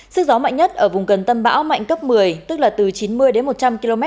sức gió mạnh nhất ở vùng gần tâm bão mạnh cấp một mươi tức là từ chín mươi đến một trăm linh km